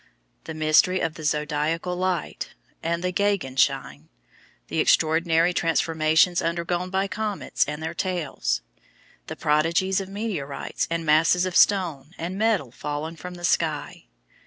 The mystery of the Zodiacal Light and the Gegenschein. The extraordinary transformations undergone by comets and their tails. The prodigies of meteorites and masses of stone and metal fallen from the sky.